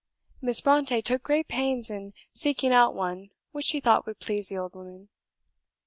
Miss Brontë took great pains in seeking out one which she thought would please the old woman.